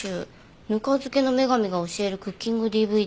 「『ぬか漬けの女神が教えるクッキングＤＶＤ』」